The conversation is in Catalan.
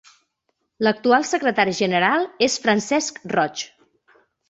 L'actual secretari general és Francesc Roig.